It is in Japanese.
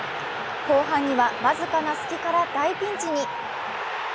後半には僅かな隙から大ピンチに。